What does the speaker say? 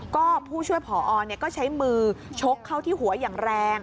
ก็ผู้ช่วยผอก็ใช้มือชกเข้าที่หัวอย่างแรง